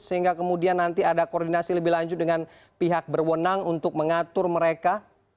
sehingga kemudian nanti ada koordinasi lebih lanjut dengan pihak berwenang untuk mengatur mereka